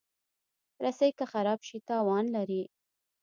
رسۍ که خراب شي، تاوان لري.